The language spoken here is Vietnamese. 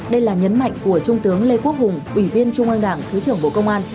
đây là nhấn mạnh của trung tướng lê quốc hùng ủy viên trung an đảng thứ trưởng bộ công an